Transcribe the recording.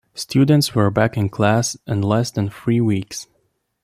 Students were back in class in less than three weeks.